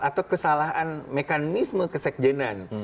atau kesalahan mekanisme ke sekjenen